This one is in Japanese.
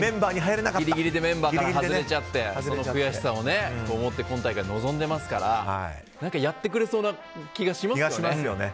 ギリギリで外れちゃってその悔しさをと思って今大会、臨んでいますからやってくれそうな気がしますよね。